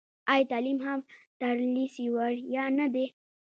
آیا تعلیم هم تر لیسې وړیا نه دی؟